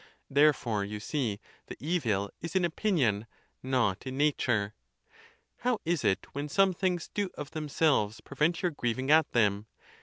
Therefore, you see, the evil is in opinion, not in nature. How is it when some things do of themselves prevent your grieving at them?